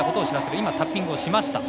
今、タッピングをしました。